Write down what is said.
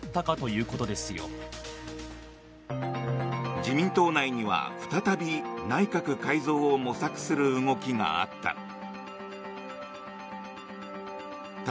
自民党内には再び内閣改造を模索する動きがあった。